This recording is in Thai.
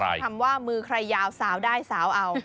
เป็นที่มาทำว่ามือใครยาวสาวได้สาวเอา